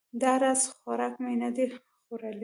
دا راز خوراک مې نه ده خوړلی